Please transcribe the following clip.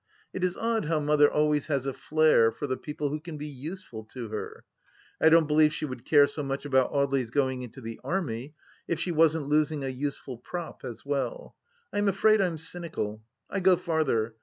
It is odd how Mother always has a flair for the people who can be useful to her. I don't believe she would care so much about Audely's going into the Army if she wasn't losing a useful prop as well I ... I am afraid I'm cynical ! I go farther.